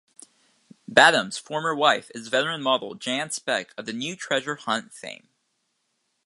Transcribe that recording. Badham's former wife is veteran model Jan Speck of "The New Treasure Hunt" fame.